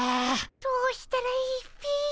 どうしたらいいっピ。